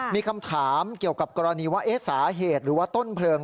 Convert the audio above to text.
มีคำถามเกี่ยวกับกรณีว่าสาเหตุหรือว่าต้นเพลิง